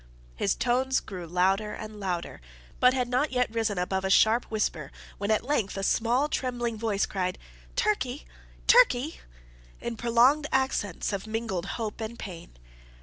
His tones grew louder and louder but had not yet risen above a sharp whisper, when at length a small trembling voice cried "Turkey! Turkey!" in prolonged accents of mingled hope and pain.